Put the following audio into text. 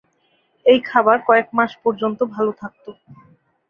এই খাবার কয়েক মাস পর্যন্ত ভাল থাকত।